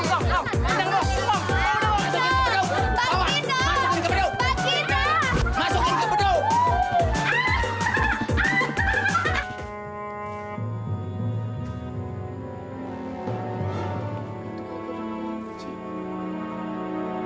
bawa masukin ke bedung